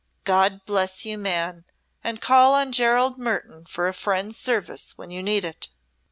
God bless you, man, and call on Gerald Mertoun for a friend's service when you need it."